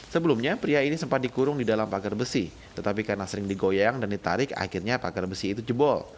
sebelumnya pria ini sempat dikurung di dalam pagar besi tetapi karena sering digoyang dan ditarik akhirnya pagar besi itu jebol